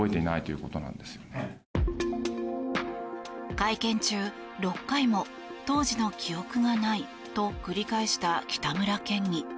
会見中、６回も当時の記憶がないと繰り返した北村県議。